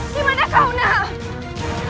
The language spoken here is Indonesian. dimana kau nak